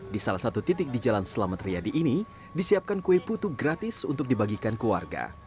di salah satu titik di jalan selamat riyadi ini disiapkan kue putu gratis untuk dibagikan ke warga